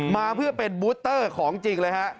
มาเพื่อเป็นบูเตอร์ของจริงเลยฮะ